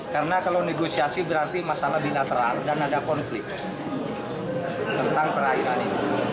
karena kalau negosiasi berarti masalah bilateral dan ada konflik tentang perairan ini